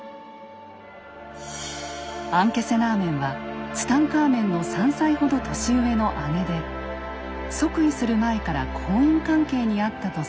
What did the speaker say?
アンケセナーメンはツタンカーメンの３歳ほど年上の姉で即位する前から婚姻関係にあったとされます。